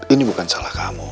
ini bukan salah kamu